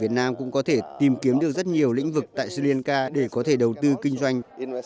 việt nam cũng có thể tìm kiếm được rất nhiều lĩnh vực tại sri lanka để có thể đầu tư kinh doanh